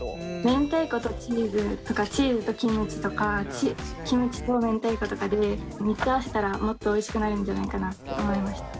明太子とチーズとかチーズとキムチとかキムチと明太子とかで３つ合わせたらもっとおいしくなるんじゃないかなって思いました。